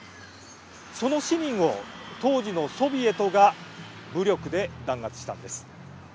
その市民を当時のソビエトが武力で弾圧したんです。